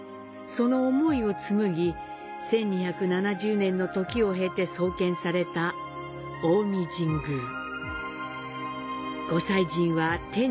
その思いを紡ぎ、１２７０年の時を経て創建された近江神宮。